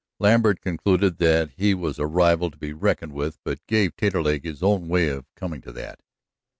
Lambert concluded that he was a rival to be reckoned with, but gave Taterleg his own way of coming to that.